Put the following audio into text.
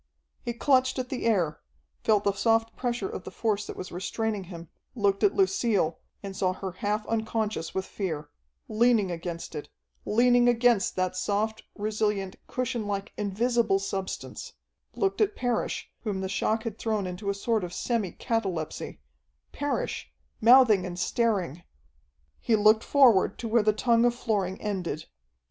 He clutched at the air, felt the soft pressure of the force that was restraining him, looked at Lucille, and saw her half unconscious with fear, leaning against it, leaning against that soft, resilient, cushionlike, invisible substance; looked at Parrish, whom the shock had thrown into a sort of semi catalepsy Parrish, mouthing and staring! He looked forward to where the tongue of flooring ended.